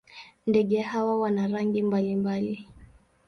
Ndege hawa wana rangi mbalimbali.